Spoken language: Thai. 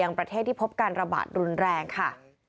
ประเทศที่พบการระบาดรุนแรงค่ะ